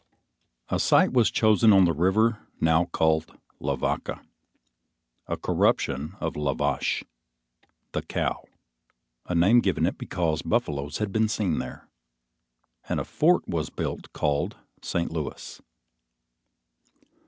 A site was soon chosen on the river now called Lavaca (a corruption of La Vache, the cow, a name given it because buffaloes had been seen there), and a fort was built called St. Louis.